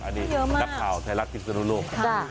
อันนี้ดับข่าวไทยรักที่สนามโลก